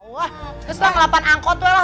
wah terus lah ngelapan angkot lah lah